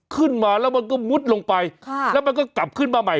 ขึ้นมาแล้วมันก็มุดลงไปแล้วมันก็กลับขึ้นมาใหม่